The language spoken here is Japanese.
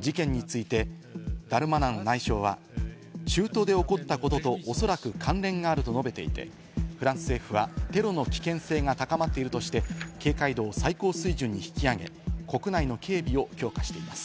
事件についてダルマナン内相は中東で起こったこととおそらく関連があると述べていて、フランス政府はテロの危険性が高まっているとして警戒度を最高水準に引き上げ、国内の警備を強化しています。